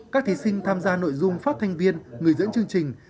các thí sinh tham gia nội dung phát thanh viên người dưỡng chương trình